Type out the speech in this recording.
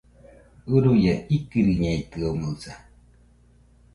Uruia, ikɨriñeitɨomoɨsa